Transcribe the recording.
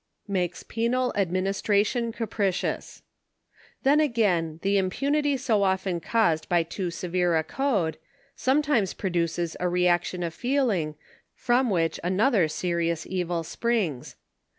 MAKES PENAL ADMINISTRATION CAPRICIOUS. Then again, the i^ipunily so often caused by too severe a code, sometimes produces a reaction of feeling, from which another se rious evil springs.